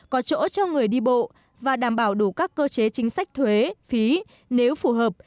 có chỗ cho người đi bộ và đảm bảo đủ các cơ chế chính sách thuế phí nếu phù hợp